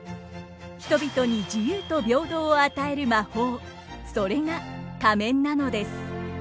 人々に自由と平等を与える魔法それが仮面なのです。